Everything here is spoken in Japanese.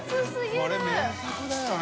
これ名作だよな。